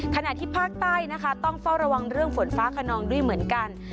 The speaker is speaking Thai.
ขณะที่ภาคใต้นะคะต้องเฝ้าระวังเรื่องฝนฟ้าขนองด้วยเหมือนกัน